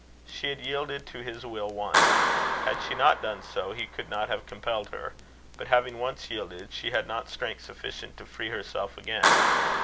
She had yielded to his will once. Had she not done so, he could not have compelled her; but, having once yielded, she had not strength sufficient to free herself again.